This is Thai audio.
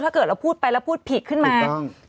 ถ้าเกิดเราพูดไปแล้วพูดผิดขึ้นมา